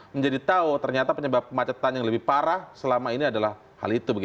menjadi tahu ternyata penyebab kemacetan yang lebih parah selama ini adalah hal itu